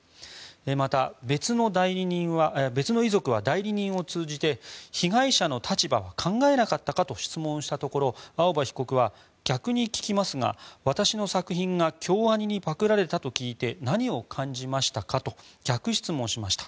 また、別の遺族は代理人を通じて被害者の立場を考えなかったかと質問したところ青葉被告は逆に聞きますが、私の作品が京アニにパクられたと聞いて何を感じましたか？と逆質問しました。